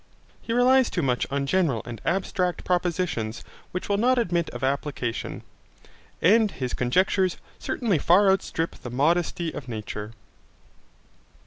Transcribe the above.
He relies too much on general and abstract propositions which will not admit of application. And his conjectures certainly far outstrip the modesty of nature.